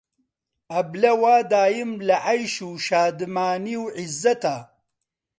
ئەبلە وا دایم لە عەیش و شادمانی و عیززەتا